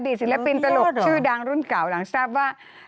ศิลปินตลกชื่อดังรุ่นเก่าหลังทราบว่า